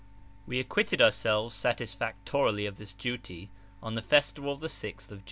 We acquitted ourselves satisfactorily of this duty on the festival of the 6th of [p.